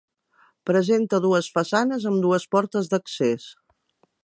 Presenta dues façanes amb dues portes d'accés.